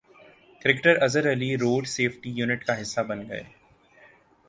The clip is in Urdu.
cricketer Azhar Ali road safety unit کا حصہ بن گئے